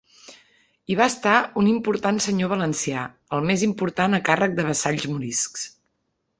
Hi va estar un important senyor valencià, el més important a càrrec de vassalls moriscs.